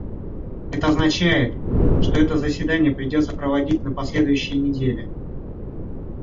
Это означает, что это заседание придется проводить на последующей неделе.